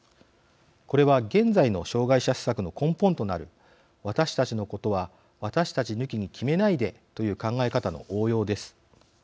これは、現在の障害者施策の根本となる私たちのことは私たち抜きに決めないでという考え方の応用です。